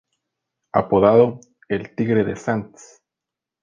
Apodado "El Tigre de Sants".